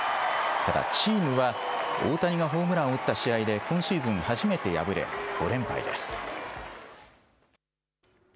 ただ、チームは大谷がホームランを打った試合で、今シーズン初めて敗れ、次です。